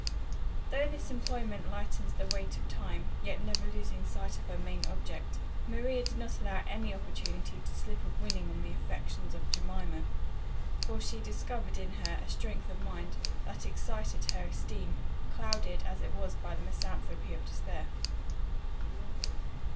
Though this employment lightened the weight of time, yet, never losing sight of her main object, Maria did not allow any opportunity to slip of winning on the affections of Jemima; for she discovered in her a strength of mind, that excited her esteem, clouded as it was by the misanthropy of despair.